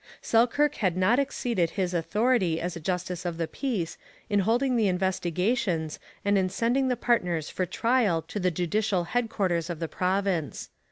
Selkirk had not exceeded his authority as a justice of the peace in holding the investigations and in sending the partners for trial to the judicial headquarters of the province.